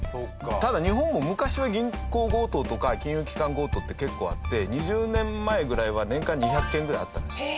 ただ日本も昔は銀行強盗とか金融機関強盗って結構あって２０年前ぐらいは年間２００件ぐらいあったんですよ。